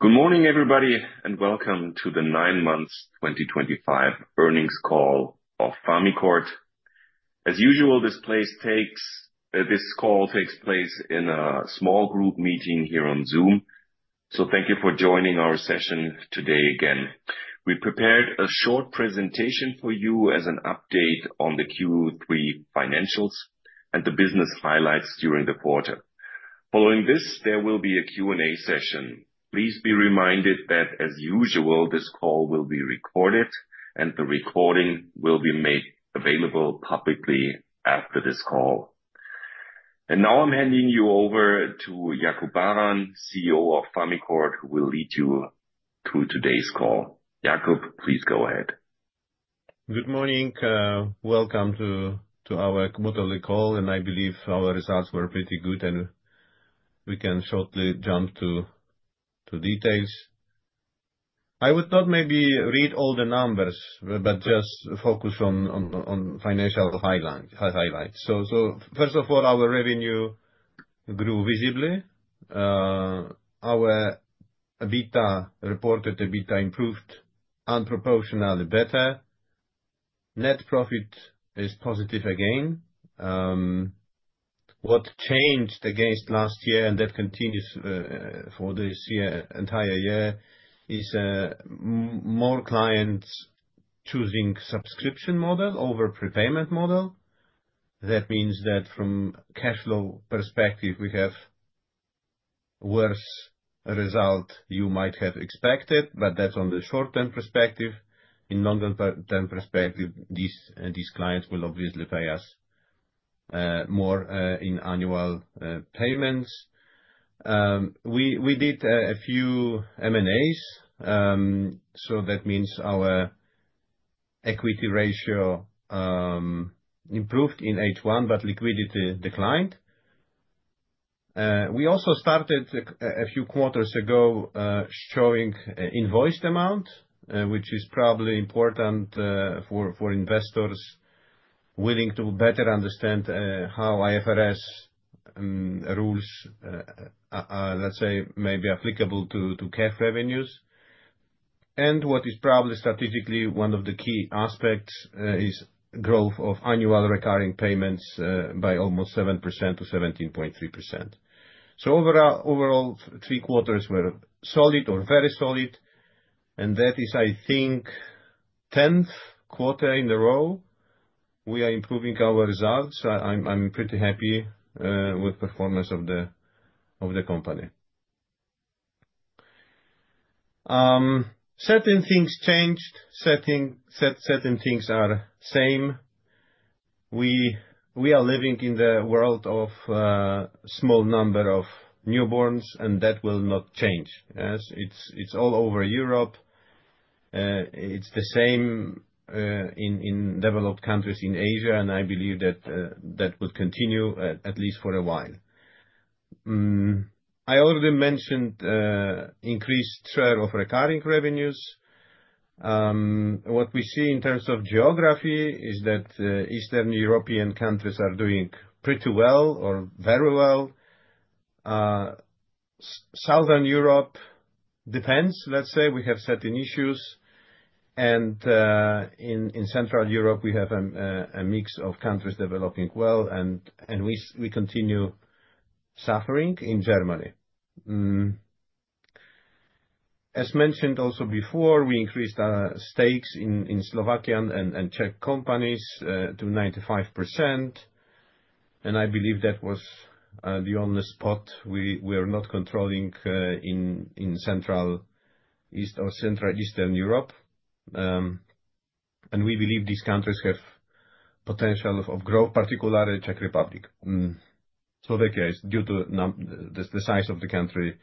Good morning, everybody, and welcome to the 9 months 2025 Earnings Call of FamiCord. As usual, this call takes place in a small group meeting here on Zoom. So thank you for joining our session today again. We prepared a short presentation for you as an update on the Q3 financials and the business highlights during the quarter. Following this, there will be a Q&A session. Please be reminded that, as usual, this call will be recorded, and the recording will be made available publicly after this call. And now I'm handing you over to Jakub Baran, CEO of FamiCord, who will lead you through today's call. Jakub, please go ahead. Good morning. Welcome to our quarterly call, and I believe our results were pretty good, and we can shortly jump to details. I would not maybe read all the numbers, but just focus on financial highlights. First of all, our revenue grew visibly. Our reported EBITDA improved disproportionately better. Net profit is positive again. What changed against last year, and that continues for this year, entire year, is more clients choosing subscription model over prepayment model. That means that from cash flow perspective, we have worse result you might have expected, but that's on the short-term perspective. In long-term term perspective, these clients will obviously pay us more in annual payments. We did a few M&As, so that means our equity ratio improved in H1, but liquidity declined. We also started a few quarters ago showing invoiced amount, which is probably important for investors willing to better understand how IFRS rules, let's say, may be applicable to cash revenues. And what is probably strategically one of the key aspects is growth of annual recurring payments by almost 7%-17.3%. So overall, three quarters were solid or very solid, and that is, I think, 10th quarter in a row we are improving our results. I'm pretty happy with performance of the company. Certain things changed, certain things are same. We are living in the world of small number of newborns, and that will not change as it's all over Europe. It's the same in developed countries in Asia, and I believe that that will continue at least for a while. I already mentioned increased share of recurring revenues. What we see in terms of geography is that Eastern European countries are doing pretty well or very well. Southern Europe, depends, let's say, we have certain issues, and in Central Europe, we have a mix of countries developing well, and we continue suffering in Germany. As mentioned also before, we increased stakes in Slovakian and Czech companies to 95%, and I believe that was the only spot we are not controlling in Central East or Central Eastern Europe. And we believe these countries have potential of growth, particularly Czech Republic. Slovakia is due to the size of the country,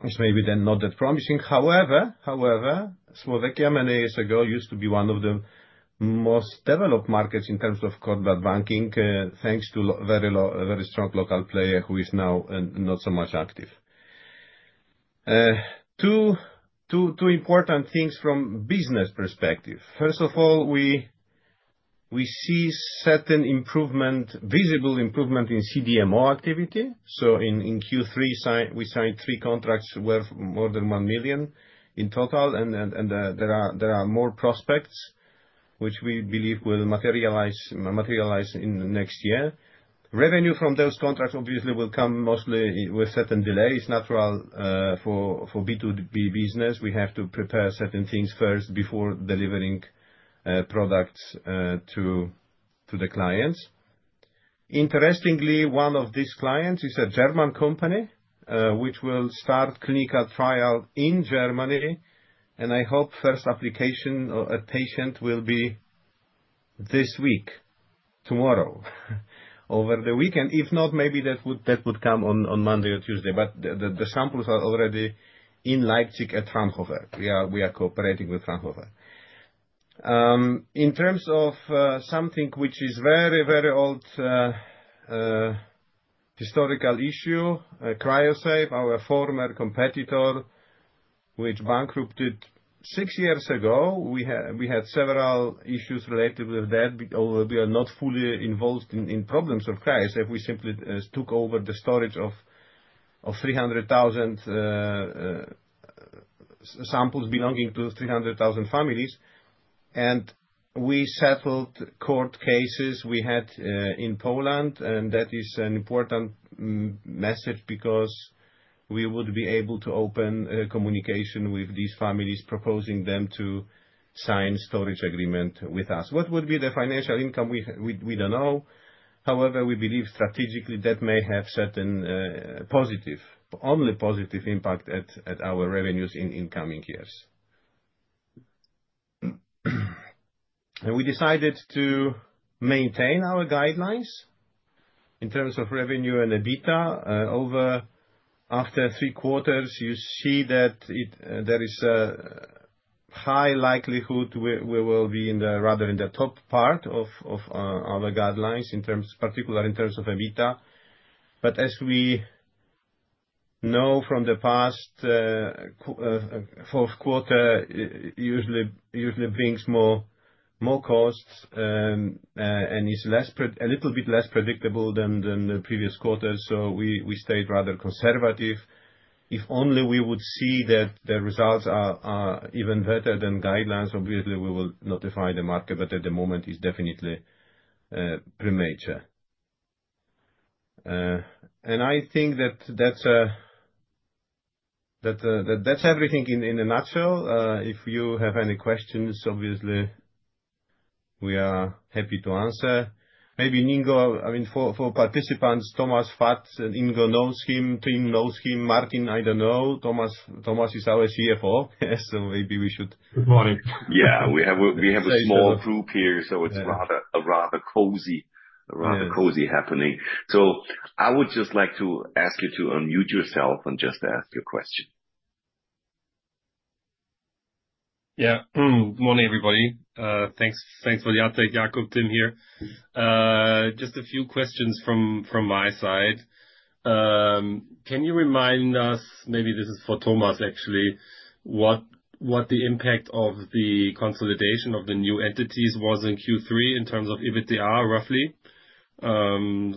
which may be then not that promising. However, Slovakia many years ago used to be one of the most developed markets in terms of cord blood banking, thanks to very strong local player who is now not so much active. Two important things from business perspective. First of all, we see certain improvement, visible improvement in CDMO activity. So in Q3, we signed three contracts worth more than 1 million in total, and there are more prospects, which we believe will materialize in the next year. Revenue from those contracts, obviously, will come mostly with certain delays. It's natural for B2B business. We have to prepare certain things first before delivering products to the clients. Interestingly, one of these clients is a German company, which will start clinical trial in Germany, and I hope first application or patient will be this week, tomorrow, over the weekend. If not, maybe that would come on Monday or Tuesday, but the samples are already in Leipzig at Fraunhofer. We are cooperating with Fraunhofer. In terms of something which is very, very old historical issue, Cryo-Save, our former competitor, which bankrupted six years ago. We had several issues related with that, although we are not fully involved in problems of Cryo-Save, if we simply took over the storage of 300,000 samples belonging to 300,000 families. And we settled court cases we had in Poland, and that is an important message because we would be able to open communication with these families, proposing them to sign storage agreement with us. What would be the financial income? We don't know. However, we believe strategically, that may have certain positive, only positive impact at our revenues in coming years. And we decided to maintain our guidelines in terms of revenue and EBITDA. Over, after three quarters, you see that it there is a high likelihood we will be in the rather in the top part of our guidelines, in particular in terms of EBITDA. But as we know from the past, fourth quarter usually brings more costs and is a little bit less predictable than the previous quarters, so we stayed rather conservative. If only we would see that the results are even better than guidelines, obviously we will notify the market, but at the moment it's definitely premature. And I think that that's everything in a nutshell. If you have any questions, obviously we are happy to answer. Maybe, Ingo, I mean, for, for participants, Thomas Pfaadt and Ingo knows him, Tim knows him. Martin, I don't know. Thomas, Thomas is our CFO. Yes, so maybe we should- Good morning. Yeah. We have a small group here, so it's rather cozy- Yeah. A rather cozy happening. I would just like to ask you to unmute yourself and just ask your question. Yeah. Morning, everybody. Thanks, thanks for the update, Jakub. Tim here. Just a few questions from, from my side. Can you remind us, maybe this is for Thomas, actually, what, what the impact of the consolidation of the new entities was in Q3, in terms of EBITDA, roughly? So,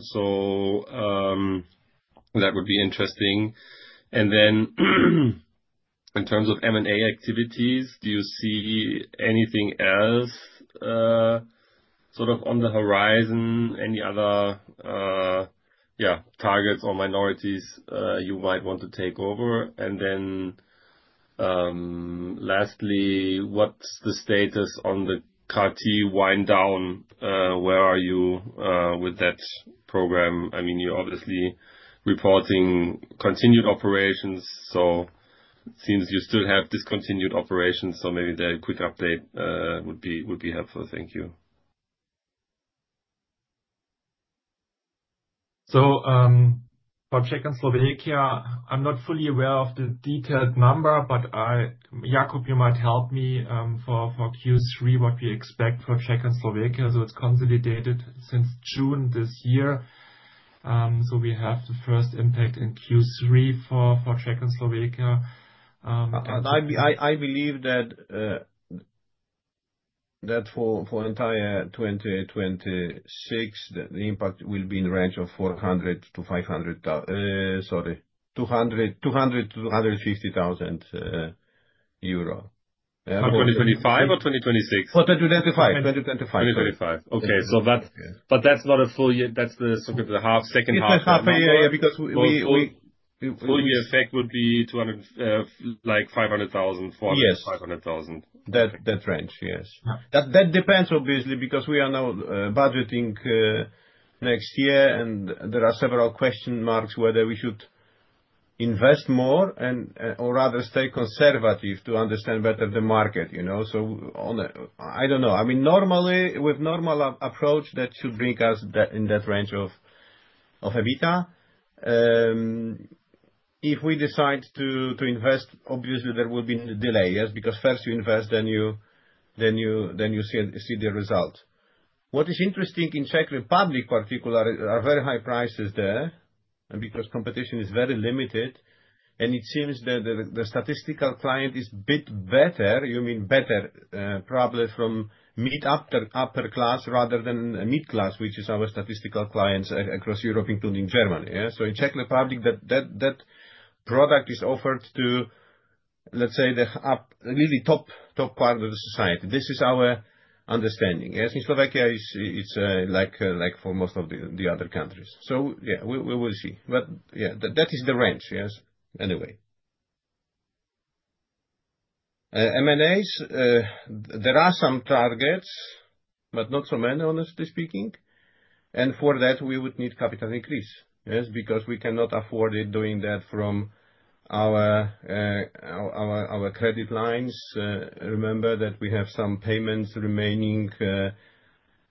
that would be interesting. And then, in terms of M&A activities, do you see anything else, sort of on the horizon? Any other, yeah, targets or minorities, you might want to take over? And then, lastly, what's the status on the CAR-T wind down? Where are you, with that program? I mean, you're obviously reporting continued operations, so it seems you still have discontinued operations, so maybe a quick update, would be, would be helpful. Thank you. So, for Czech and Slovakia, I'm not fully aware of the detailed number, but I... Jakub, you might help me, for Q3, what we expect for Czech and Slovakia, so it's consolidated since June this year. So we have the first impact in Q3 for Czech and Slovakia. I believe that for entire 2026, the impact will be in the range of 400-500 thou- sorry, 200-250 thousand EUR. 2025 or 2026? 2025. 2025. 2025. Okay. So that- Yeah. That's not a full year. That's the sort of the half, second half. It's a half, yeah, yeah. Because we... Full year effect would be 200, like, 500,000- Yes. 400,000-500,000. That range, yes. Uh. That, that depends, obviously, because we are now budgeting next year, and there are several question marks whether we should invest more and or rather stay conservative to understand better the market, you know, so on a... I don't know. I mean, normally, with normal approach, that should bring us down in that range of EBITDA. If we decide to invest, obviously there will be delay. Yes, because first you invest, then you see the result. What is interesting in Czech Republic, particular, are very high prices there, because competition is very limited, and it seems that the statistical client is bit better. You mean better, probably from mid upper upper class rather than mid-class, which is our statistical clients across Europe, including Germany, yeah? So in Czech Republic, that product is offered to, let's say, the really top part of the society. This is our understanding, yes? In Slovakia, it's like for most of the other countries. So yeah, we will see. But yeah, that is the range, yes, anyway. M&As, there are some targets, but not so many, honestly speaking, and for that, we would need capital increase. Yes, because we cannot afford it, doing that from our credit lines. Remember that we have some payments remaining for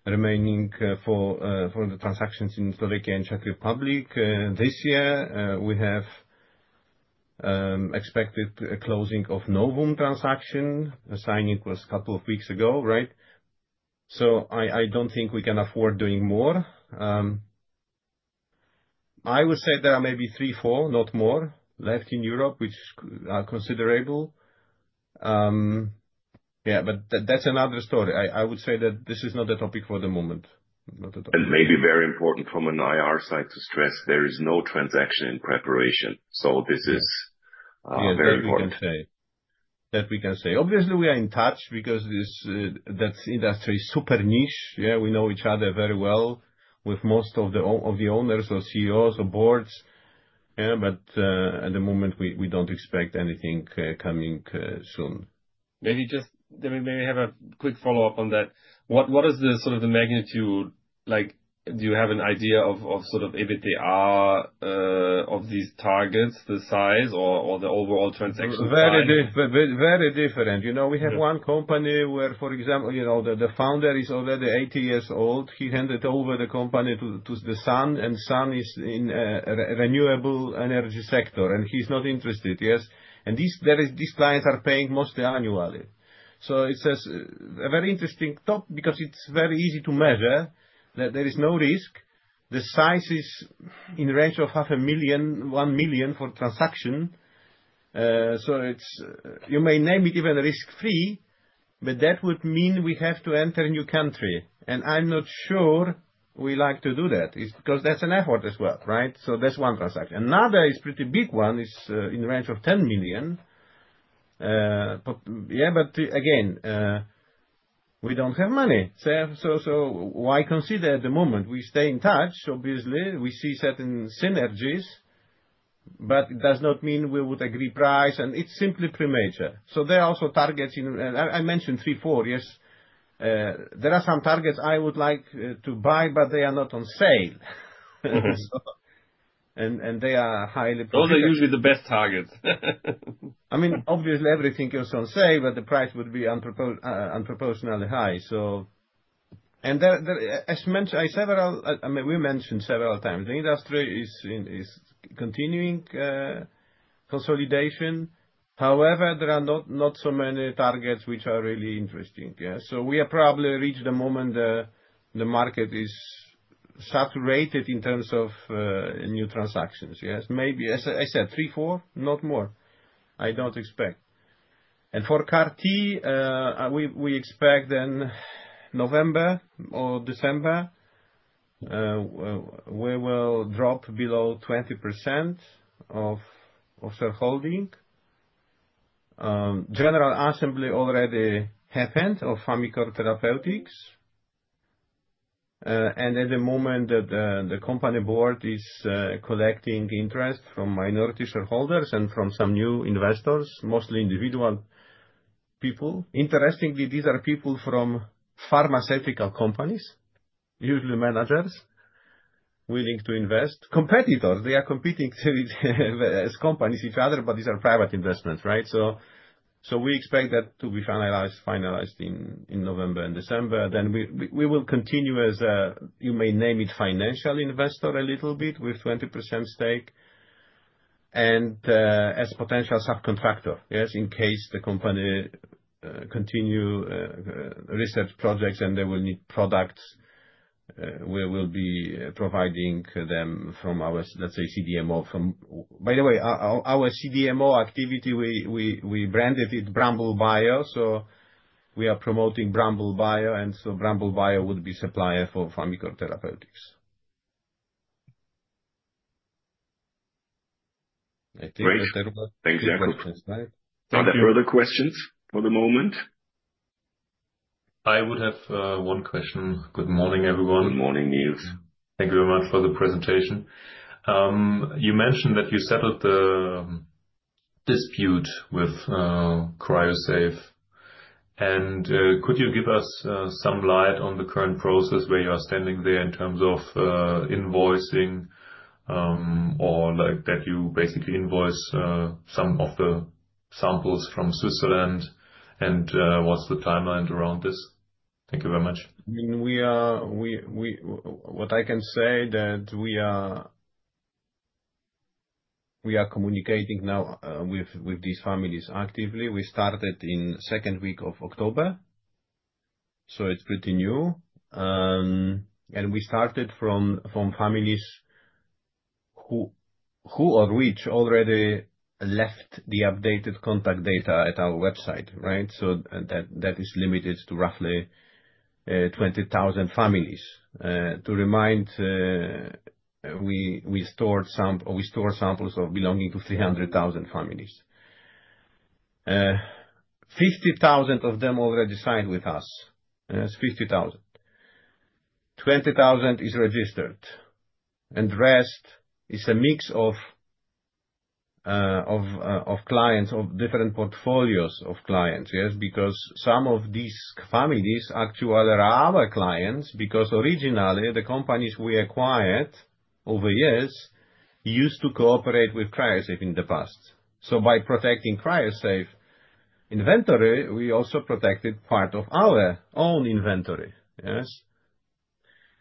the transactions in Slovakia and Czech Republic. This year, we have expected a closing of Novum transaction. The signing was a couple of weeks ago, right? So I don't think we can afford doing more. I would say there are maybe three, four, not more, left in Europe, which are considerable. Yeah, but that's another story. I would say that this is not the topic for the moment, not the topic. Maybe very important from an IR side to stress, there is no transaction in preparation. So this is- Yes. Very important. That we can say. Obviously, we are in touch because this, that industry is super niche. Yeah, we know each other very well with most of the owners or CEOs or boards. Yeah, but, at the moment, we don't expect anything coming soon. Maybe just maybe have a quick follow-up on that. What is the sort of the magnitude like? Do you have an idea of sort of EBITDA of these targets, the size or the overall transaction? Very, very different. You know, we have one company where, for example, you know, the founder is already 80 years old. He handed over the company to the son, and son is in the renewable energy sector, and he's not interested. Yes, and these clients are paying mostly annually. So it's a very interesting topic, because it's very easy to measure that there is no risk. The size is in the range of 0.5 million-1 million for transaction. So it's... You may name it even risk-free, but that would mean we have to enter a new country, and I'm not sure we like to do that. It's because that's an effort as well, right? So that's one transaction. Another is a pretty big one in the range of 10 million. But yeah, but again, we don't have money. So, why consider at the moment? We stay in touch, obviously, we see certain synergies, but it does not mean we would agree price, and it's simply premature. So there are also targets in... I mentioned three, four, yes? There are some targets I would like to buy, but they are not on sale. Mm-hmm. So, they are highly- Those are usually the best targets. I mean, obviously, everything is on sale, but the price would be disproportionately high, so... And there, as mentioned, several, I mean, we mentioned several times, the industry is in, is continuing, consolidation. However, there are not, not so many targets which are really interesting. Yeah, so we have probably reached the moment the market is saturated in terms of, new transactions. Yes. Maybe, as I said, 3, 4, not more. I don't expect. And for CAR-T, we expect in November or December, we will drop below 20% of, of the holding. General assembly already happened of FamiCord Therapeutics. And at the moment, the company board is, collecting interest from minority shareholders and from some new investors, mostly individual people. Interestingly, these are people from pharmaceutical companies, usually managers, willing to invest. Competitors, they are competing with, as companies, each other, but these are private investments, right? So we expect that to be finalized in November and December. Then we will continue as a, you may name it, financial investor a little bit, with 20% stake and as potential subcontractor. Yes, in case the company continue research projects and they will need products, we will be providing them from our, let's say, CDMO, from. By the way, our CDMO activity, we branded it Bramble Bio, so we are promoting Bramble Bio, and so Bramble Bio would be supplier for FamiCord Therapeutics. I think I talked about- Great. Thank you. Well, that's right. Are there further questions for the moment? I would have one question. Good morning, everyone. Good morning, Nils. Thank you very much for the presentation. You mentioned that you settled the dispute with Cryo-Save. And could you give us some light on the current process, where you are standing there in terms of invoicing or like that you basically invoice some of the samples from Switzerland, and what's the timeline around this? Thank you very much. I mean, we are what I can say that we are. We are communicating now with these families actively. We started in second week of October, so it's pretty new. And we started from families who of which already left the updated contact data at our website, right? So that is limited to roughly 20,000 families. To remind, we store samples belonging to 300,000 families. 50,000 of them already signed with us. Yes, 50,000. 20,000 is registered, and rest is a mix of clients of different portfolios of clients. Yes, because some of these families actually are our clients, because originally, the companies we acquired over years, used to cooperate with Cryo-Save in the past. So by protecting Cryo-Save inventory, we also protected part of our own inventory. Yes.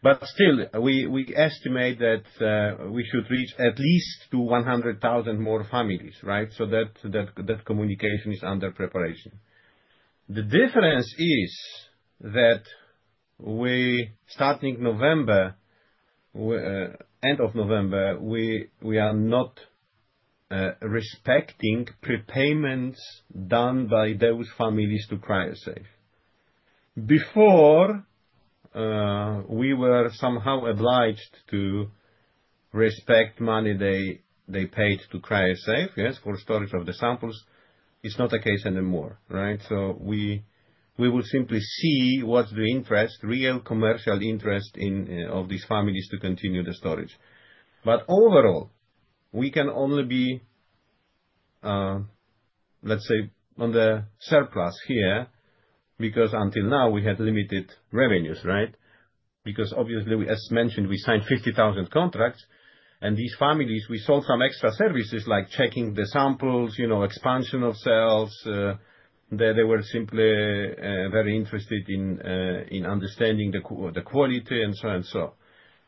But still, we estimate that we should reach at least to 100,000 more families, right? So that communication is under preparation. The difference is that we, starting November, end of November, we are not respecting prepayments done by those families to Cryo-Save. Before, we were somehow obliged to respect money they paid to Cryo-Save, yes, for storage of the samples. It's not the case anymore, right? So we will simply see what's the interest, real commercial interest in of these families to continue the storage. But overall, we can only be, let's say, on the surplus here, because until now we had limited revenues, right? Because obviously, we, as mentioned, we signed 50,000 contracts, and these families, we sold some extra services, like checking the samples, you know, expansion of cells, they, they were simply, very interested in, in understanding the quality and so and so.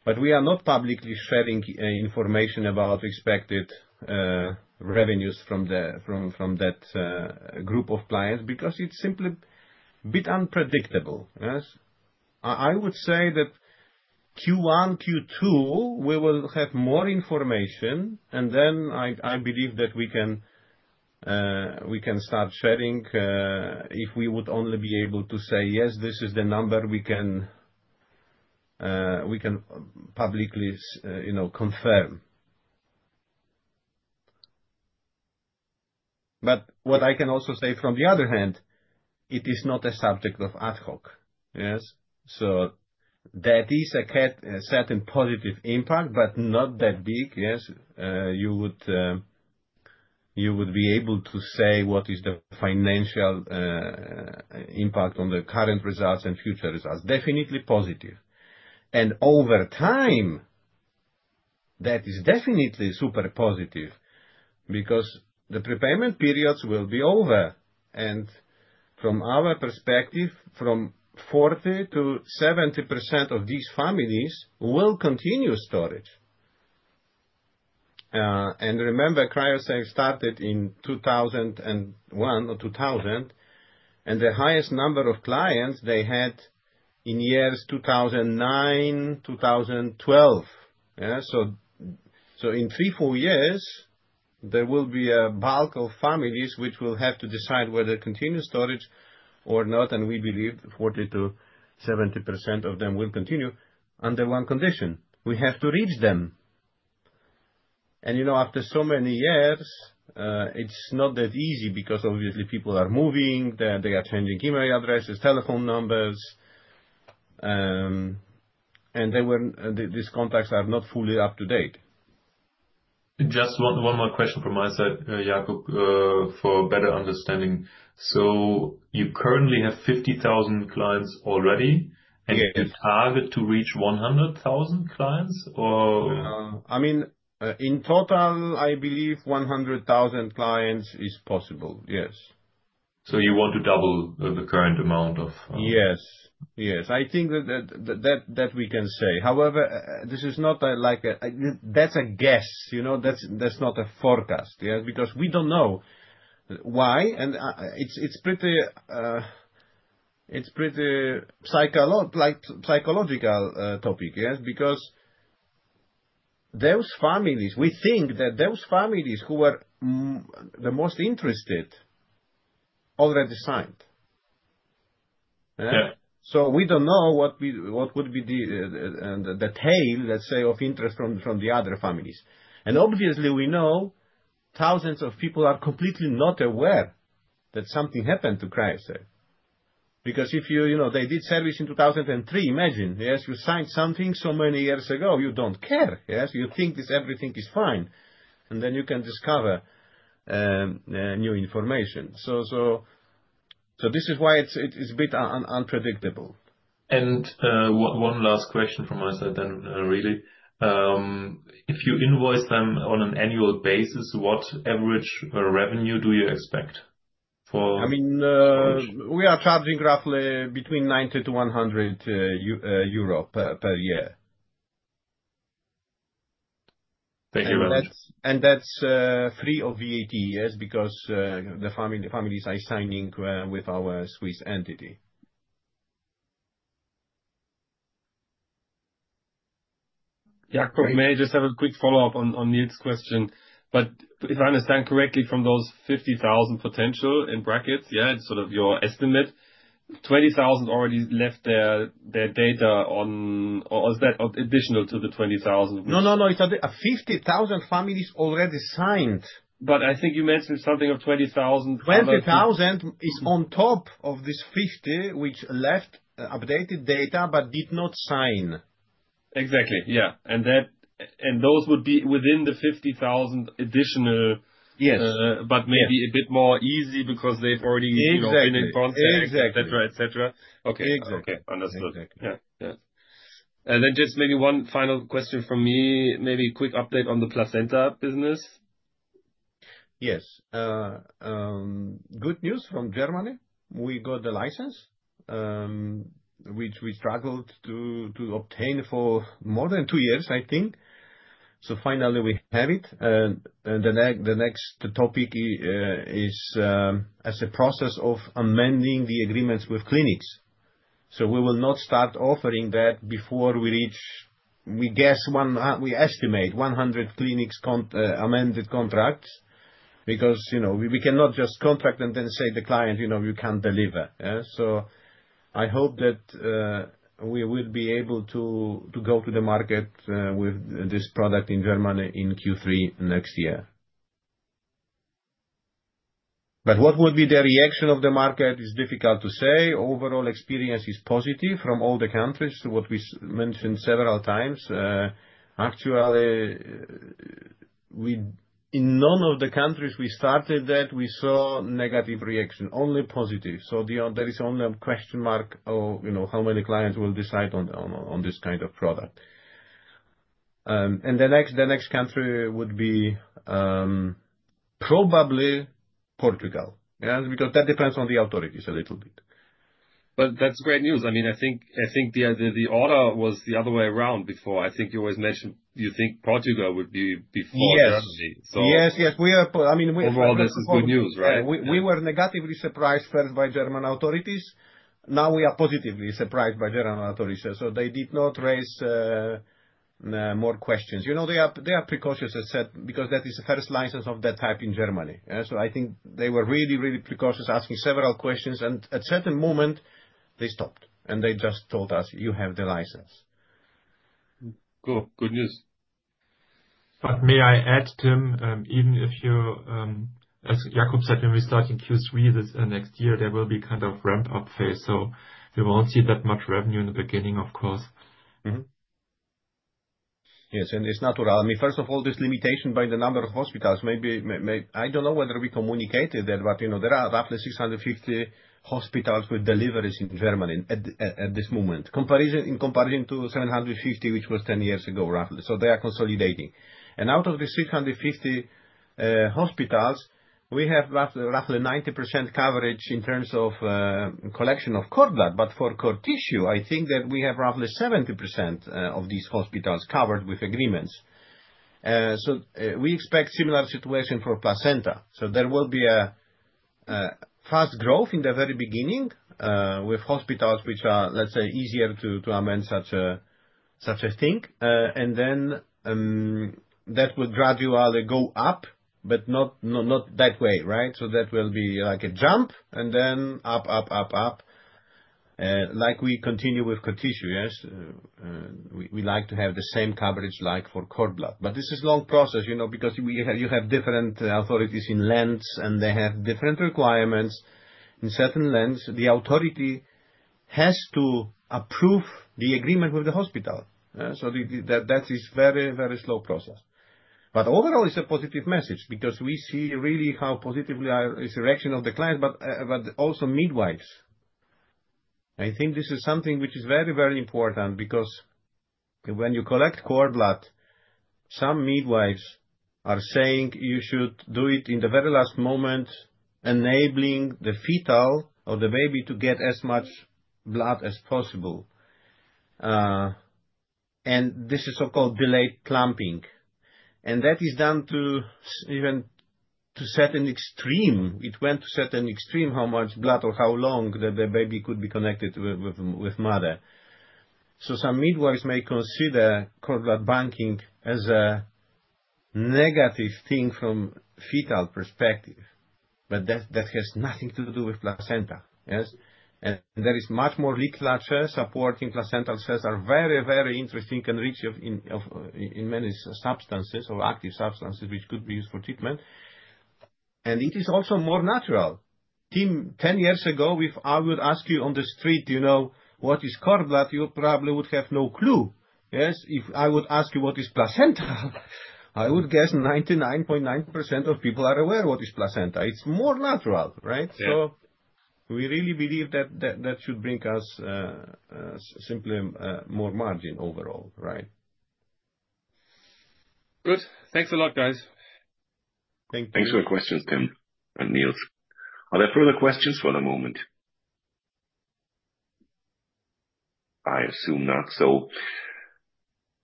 But we are not publicly sharing, information about expected, revenues from the, from, from that, group of clients because it's simply a bit unpredictable, yes. I, I would say that Q1, Q2, we will have more information, and then I, I believe that we can, we can start sharing, if we would only be able to say: "Yes, this is the number we can, we can publicly s-, you know, confirm." But what I can also say from the other hand, it is not a subject of ad hoc. Yes? So there is a certain positive impact, but not that big, yes. You would be able to say what is the financial impact on the current results and future results. Definitely positive. And over time, that is definitely super positive because the prepayment periods will be over, and from our perspective, from 40%-70% of these families will continue storage. And remember, Cryo-Save started in 2001 or 2002, and the highest number of clients they had in years 2009, 2012. Yeah, so in 3-4 years, there will be a bulk of families which will have to decide whether to continue storage or not, and we believe 40%-70% of them will continue under one condition, we have to reach them. You know, after so many years, it's not that easy because obviously people are moving, they are changing email addresses, telephone numbers, and these contacts are not fully up to date. Just one more question from my side, Jakub, for better understanding. So you currently have 50,000 clients already? Yes. You target to reach 100,000 clients or...? I mean, in total, I believe 100,000 clients is possible. Yes. So you want to double the current amount of- Yes. Yes, I think that we can say. However, this is not like a... That's a guess, you know, that's not a forecast, yes, because we don't know. Why? It's pretty psychological topic, yes? Because those families, we think that those families who are the most interested already signed. Yeah. Yeah. So we don't know what would be the, the tail, let's say, of interest from the other families. And obviously, we know thousands of people are completely not aware that something happened to Cryo-Save. Because if you, you know, they did service in 2003, imagine, yes, you signed something so many years ago, you don't care, yes? You think this, everything is fine, and then you can discover new information. So this is why it's a bit unpredictable. One last question from my side then, really. If you invoice them on an annual basis, what average revenue do you expect for- I mean. Storage. We are charging roughly between 90-100 euro per year. Thank you very much. That's free of VAT, yes, because the families are signing with our Swiss entity. Jakub, may I just have a quick follow-up on Nils question? But if I understand correctly, from those 50,000 potential, in brackets, yeah, it's sort of your estimate, 20,000 already left their data on... Or is that additional to the 20,000? No, no, no. It's a 50,000 families already signed. But I think you mentioned something of 20,000- EUR 20,000 is on top of this 50, which left updated data but did not sign. Exactly. Yeah, and that... And those would be within the 50,000 additional- Yes. But maybe a bit more easy because they've already- Exactly. You know, been in contact- Exactly. Et cetera, et cetera. Okay. Exactly. Okay. Understood. Yeah. Yeah. And then just maybe one final question from me, maybe a quick update on the placenta business. Yes. Good news from Germany. We got the license, which we struggled to obtain for more than two years, I think. So finally we have it. And the next topic is as a process of amending the agreements with clinics. So we will not start offering that before we reach, we guess 100 clinics with amended contracts, because, you know, we cannot just contract and then say to the client: "You know, you can't deliver." Yeah. So I hope that we will be able to go to the market with this product in Germany in Q3 next year. But what would be the reaction of the market is difficult to say. Overall experience is positive from all the countries, what we mentioned several times. Actually, in none of the countries we started that, we saw negative reaction, only positive. So there is only a question mark of, you know, how many clients will decide on this kind of product. And the next country would be probably Portugal, yeah, because that depends on the authorities a little bit. But that's great news. I mean, I think the order was the other way around before. I think you always mentioned you think Portugal would be before Germany. Yes. So- Yes, yes, we are... I mean- Overall, this is good news, right? We were negatively surprised first by German authorities. Now, we are positively surprised by German authorities. They did not raise more questions. You know, they are precautious, I said, because that is the first license of that type in Germany. So I think they were really, really precautious, asking several questions, and at certain moment, they stopped, and they just told us, "You have the license. Cool. Good news. But may I add, Tim, even if you, as Jakub said, when we start in Q3 this next year, there will be kind of ramp-up phase, so we won't see that much revenue in the beginning, of course. Mm-hmm. Yes, and it's natural. I mean, first of all, this limitation by the number of hospitals. I don't know whether we communicated that, but, you know, there are roughly 650 hospitals with deliveries in Germany at this moment. In comparison to 750, which was 10 years ago, roughly. So they are consolidating. And out of the 650 hospitals, we have roughly 90% coverage in terms of collection of cord blood. But for cord tissue, I think that we have roughly 70% of these hospitals covered with agreements. So we expect similar situation for placenta. So there will be a fast growth in the very beginning with hospitals which are, let's say, easier to amend such a thing. And then, that would gradually go up, but not that way, right? So that will be like a jump, and then up, up, up, up. Like we continue with cord tissue, yes? We like to have the same coverage like for cord blood. But this is long process, you know, because we have, you have different authorities in lands, and they have different requirements. In certain lands, the authority has to approve the agreement with the hospital. So that is very, very slow process. But overall, it's a positive message because we see really how positively is the reaction of the client, but also midwives. I think this is something which is very, very important, because when you collect cord blood, some midwives are saying you should do it in the very last moment, enabling the fetus or the baby to get as much blood as possible. And this is so-called delayed clamping, and that is done to even certain extreme. It went to certain extreme, how much blood or how long that the baby could be connected with mother. So some midwives may consider cord blood banking as a negative thing from fetal perspective, but that has nothing to do with placenta. Yes? And there is much more literature supporting placental cells are very, very interesting, can be rich in many substances or active substances, which could be used for treatment. And it is also more natural. Tim, 10 years ago, if I would ask you on the street, "You know, what is cord blood?" You probably would have no clue. Yes? If I would ask you, "What is placenta?" I would guess 99.9% of people are aware what is placenta. It's more natural, right? Yeah. So we really believe that should bring us simply more margin overall. Right? Good. Thanks a lot, guys. Thank you. Thanks for the questions, Tim and Niels. Are there further questions for the moment? I assume not.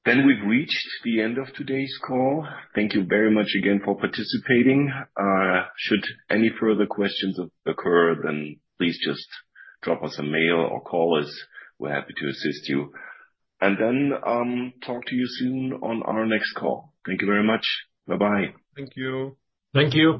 Then we've reached the end of today's call. Thank you very much again for participating. Should any further questions occur, then please just drop us a mail or call us. We're happy to assist you. Then, talk to you soon on our next call. Thank you very much. Bye-bye. Thank you. Thank you.